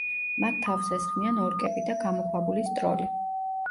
მათ თავს ესხმიან ორკები და გამოქვაბულის ტროლი.